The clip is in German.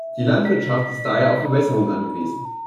Die Landwirtschaft ist daher auf Bewässerung angewiesen.